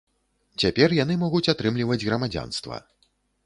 Цяпер яны могуць атрымліваць грамадзянства.